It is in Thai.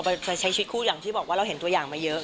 เหมือนพอไปใช้ชวิตคู่จากที่บอกว่าเราเห็นตัวอย่างมาเยอะ